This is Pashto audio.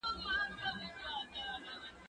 زه هره ورځ سبا ته فکر کوم!؟